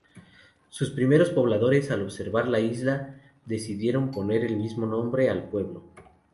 Sus primeros pobladores al observar la isla decidieron poner el mismo nombre al pueblo.